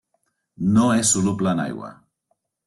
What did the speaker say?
No és soluble en aigua.